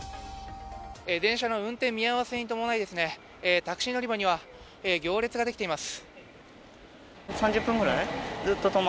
電車の運転見合わせに伴いタクシー乗り場には行列ができています。